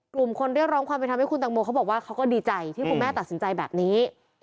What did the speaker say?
กลุ่มคนเรียกร้องความเป็นทำให้คุณตังโมเขาบอกว่าเขาก็ดีใจที่คุณแม่ตัดสินใจแบบนี้